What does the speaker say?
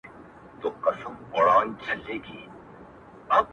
شپه په خندا ده، سهار حیران دی،